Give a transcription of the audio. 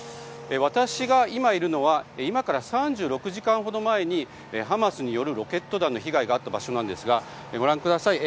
私が今いるのは今から３６時間ほど前にハマスによるロケット弾の被害があった場所なんですがご覧ください。